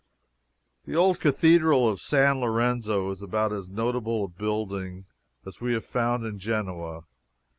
The old Cathedral of San Lorenzo is about as notable a building as we have found in Genoa.